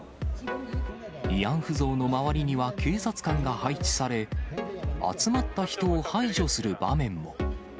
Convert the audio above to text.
慰安婦像の周りには警察官が配置され、集まった人を排除する場面も。